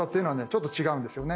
ちょっと違うんですよね。